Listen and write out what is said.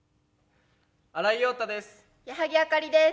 新井庸太です。